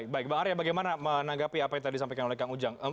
baik bang arya bagaimana menanggapi apa yang tadi disampaikan oleh kang ujang